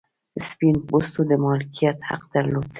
سپین پوستو د مالکیت حق درلود.